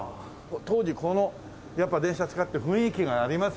当時この電車使ってて雰囲気がありますもんね。